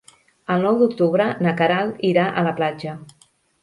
El nou d'octubre na Queralt irà a la platja.